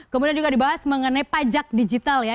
kemudian juga dibahas mengenai pajak digital ya